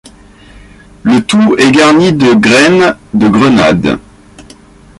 Le tout est garni de graines de grenade.